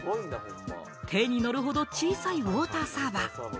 手に乗るほど小さいウォーターサーバー。